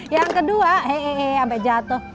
yang kedua hei hei hei sampai jatuh